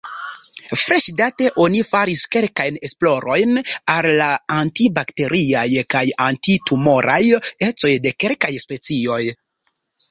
Freŝdate oni faris kelkajn esplorojn al la anti-bakteriaj kaj anti-tumoraj ecoj de kelkaj specioj.